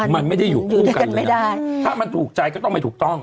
มันไม่ได้อยู่คู่กันไม่ได้ถ้ามันถูกใจก็ต้องไม่ถูกต้อง